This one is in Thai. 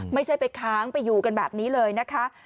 ไม่ใช่ไปค้างไปอยู่กันแบบนี้เลยนะคะ